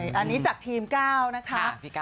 ใช่อันนี้จากทีมก้าวนะคะ